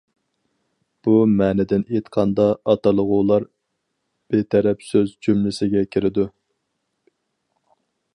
بۇ مەنىدىن ئېيتقاندا، ئاتالغۇلار «بىتەرەپ سۆز» جۈملىسىگە كىرىدۇ.